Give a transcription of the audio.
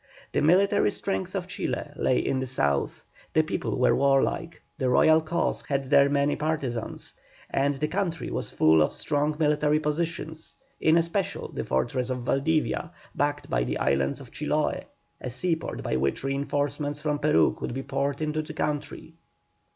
The military strength of Chile lay in the South the people were warlike, the royal cause had there many partisans, and the country was full of strong military positions, in especial the fortress of Valdivia, backed by the islands of Chiloe, a sea port by which reinforcements from Peru could be poured into the country.